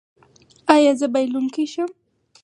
ایا زه باید بایلونکی شم؟